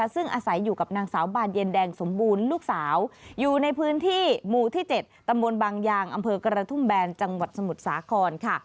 ซึ่งอาศัยอยู่กับนางสาวบานเย็นแดงสมบูรณ์ลูกสาวอยู่ในพื้นที่หมู่ที่๗ตำบลบางยางอำเภอกระทุ่มแบนจังหวัดสมุทรสาครค่ะ